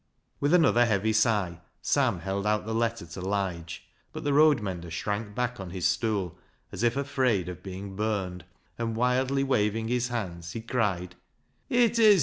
With another heavy sigh, Sam held out the letter to Lige, but the road mender shrank back on his stool as if afraid of being burned, and wildly waving his hands, he cried — "It is?